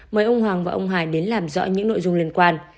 mời ông hoàng và ông hải đến làm rõ những nội dung liên quan